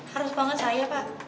harus banget saya pak